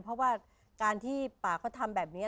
เพราะว่าการที่ป่าเขาทำแบบนี้